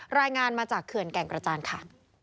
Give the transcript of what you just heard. รายงานมาจากเขื่อนแก่งกระจานค่ะ